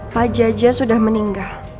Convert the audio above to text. pak jaja sudah meninggal